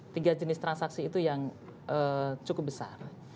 tiga jenis transaksi itu yang cukup besar